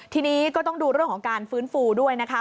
ทีนี้ก็ต้องดูเรื่องของการฟื้นฟูด้วยนะคะ